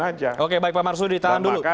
aja oke baik pak masudi tahan dulu dan maka